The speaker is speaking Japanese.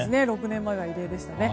６年前は異例でしたね。